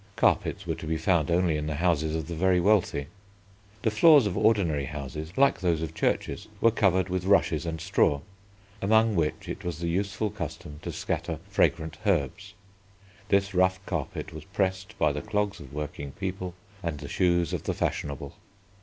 Carpets were to be found only in the houses of the very wealthy. The floors of ordinary houses, like those of churches, were covered with rushes and straw, among which it was the useful custom to scatter fragrant herbs. This rough carpet was pressed by the clogs of working people and the shoes of the fashionable.